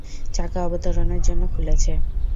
চাকা অবতরণের জন্য খুলেছে।